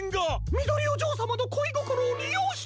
みどりおじょうさまのこいごころをりようして！